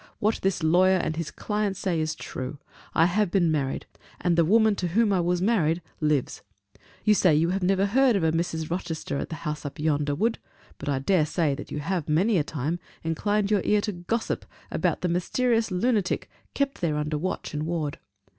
what this lawyer and his client say is true: I have been married, and the woman to whom I was married lives! You say you never heard of a Mrs. Rochester at the house up yonder, Wood; but I dare say you have many a time inclined your ear to gossip about the mysterious lunatic kept there under watch and ward.